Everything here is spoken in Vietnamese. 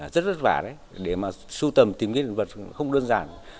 rất vất vả đấy để mà sưu tầm tìm cái hiện vật không đơn giản